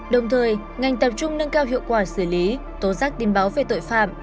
đồng thời ngành tập trung nâng cao hiệu quả xử lý tố giác tin báo về tội phạm